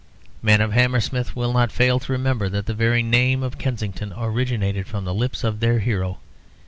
Men of Hammersmith will not fail to remember that the very name of Kensington originated from the lips of their hero.